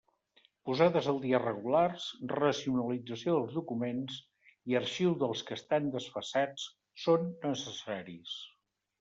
Posades al dia regulars, racionalització dels documents, i arxiu dels que estan desfasats, són necessaris.